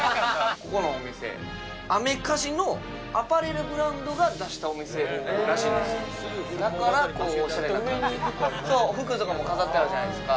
ここのお店アメカジのアパレルブランドが出したお店らしいですだからオシャレな・上に服あるそう服とかも飾ってあるじゃないですか